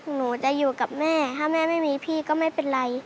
หนูจะอยู่กับแม่ถ้าแม่ไม่มีพี่ก็ไม่เป็นไร